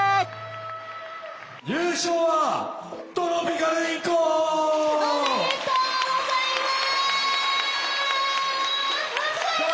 優勝はおめでとうございます！